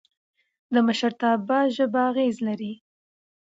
د مشرتابه ژبه اغېز لري